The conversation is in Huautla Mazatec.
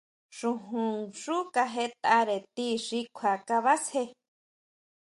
Xojonxú kajeʼetʼare ti xi kjua kabasjé.